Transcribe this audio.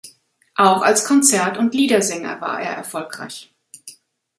Auch als Konzert- und Liedersänger war er erfolgreich.